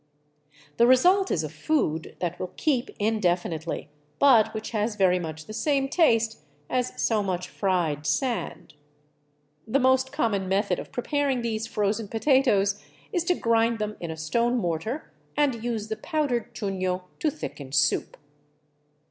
The result is a food that will keep indefinitely, but which has very much the same taste as so much fried sand. The most common method of preparing these frozen pota toes is to grind them in a stone mortar and use the powdered chuno to thicken soup.